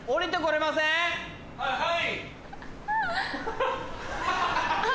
はい！